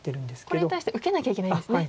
これに対して受けなきゃいけないんですね。